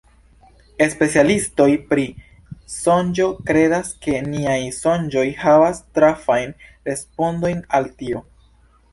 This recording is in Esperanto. Specialistoj pri sonĝo kredas ke niaj sonĝoj havas trafajn respondojn al tio.